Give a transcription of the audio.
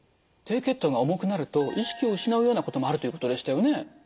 低血糖が重くなると意識を失うようなこともあるということでしたよね？